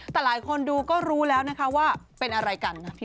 แต่หลายคนดูก็รู้แล้วว่าเป็นอะไรกัน